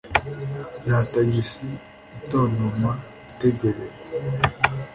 Nka tagisi itontoma itegereje